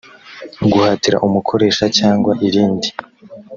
guhatira umukoresha cyangwa irindi